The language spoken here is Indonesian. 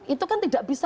itu kan tidak bisa